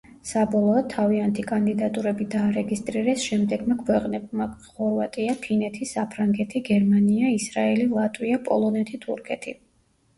საბოლოოდ, თავიანთი კანდიდატურები დაარეგისტრირეს შემდეგმა ქვეყნებმა: ხორვატია, ფინეთი, საფრანგეთი, გერმანია, ისრაელი, ლატვია, პოლონეთი, თურქეთი.